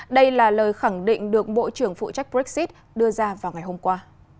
đây là lời khẳng định được bộ trưởng phụ trách brexit đưa ra vào ngày hôm qua